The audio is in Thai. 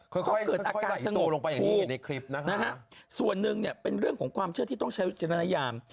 เขาเกิดอาการสงบลงไปอย่างนี้นะฮะส่วนหนึ่งเนี่ยเป็นเรื่องของความเชื่อที่ต้องใช้วิจารณญาณ